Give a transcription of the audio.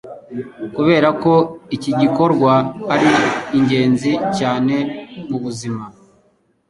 Kubera ko ikigikorwa ari ingenzi cyane mubuzima